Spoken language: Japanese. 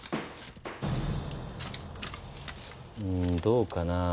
うんどうかな。